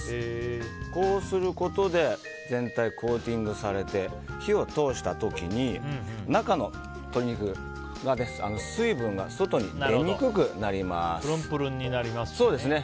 こうすることで全体がコーティングされて火を通した時に中の鶏肉のぷるんぷるんになりますね。